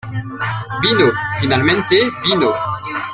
¡ Vino! ¡ finalmente vino!